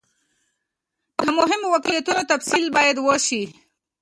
د مهمو واقعیتونو تفصیل باید وسي.